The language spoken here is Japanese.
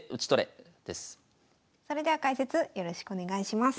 それでは解説よろしくお願いします。